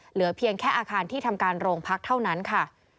เหลือเพียงแค่อาคารที่ทำการโรงพักเท่านั้นค่ะ